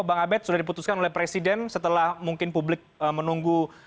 bang abed sudah diputuskan oleh presiden setelah mungkin publik menunggu